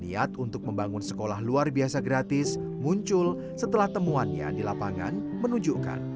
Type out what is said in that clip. niat untuk membangun sekolah luar biasa gratis muncul setelah temuannya di lapangan menunjukkan